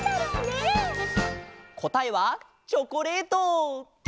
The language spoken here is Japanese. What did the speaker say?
こたえはチョコレート！